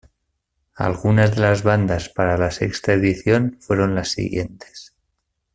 Algunas de las bandas para la sexta edición fueron las siguientes.